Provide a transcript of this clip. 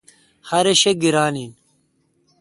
ہر اؘ شہ گیران این۔